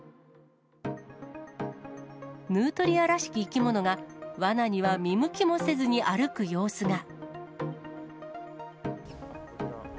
ヌートリアらしき生き物が、わなには見向きもせずに歩く様子が。